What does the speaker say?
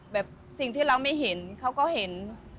สิ่งที่เราไม่เห็นเขาก็เห็น